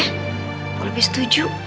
empok lebih setuju